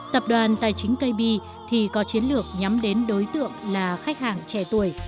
tập đoàn tài chính kb thì có chiến lược nhắm đến đối tượng là khách hàng trẻ tuổi